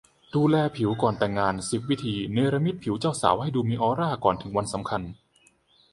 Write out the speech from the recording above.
ดูแลผิวก่อนแต่งงาน สิบ วิธี เนรมิตผิวเจ้าสาวให้ดูมีออร่าก่อนถึงวันสำคัญ